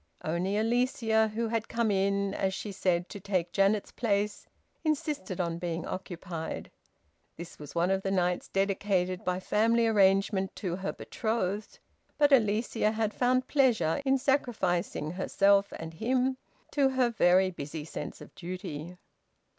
Only Alicia, who had come in, as she said, to take Janet's place, insisted on being occupied. This was one of the nights dedicated by family arrangement to her betrothed, but Alicia had found pleasure in sacrificing herself, and him, to her very busy sense of duty.